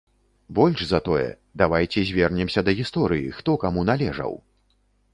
Больш за тое, давайце звернемся да гісторыі, хто каму належаў?